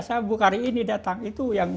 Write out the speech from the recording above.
saya bukari ini datang itu yang